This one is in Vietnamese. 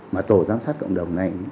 mà tổ giám sát cộng đồng này